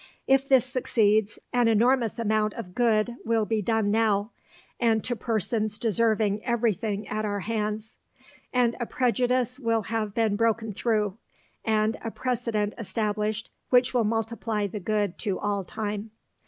If this succeeds, an enormous amount of good will be done now, and to persons deserving everything at our hands; and a prejudice will have been broken through, and a precedent established, which will multiply the good to all time.